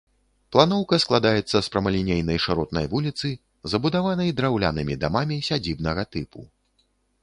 Планоўка складаецца з прамалінейнай шыротнай вуліцы, забудаванай драўлянымі дамамі сядзібнага тыпу.